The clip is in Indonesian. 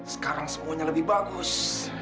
sekarang semuanya lebih bagus